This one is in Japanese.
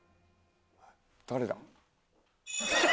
誰だ？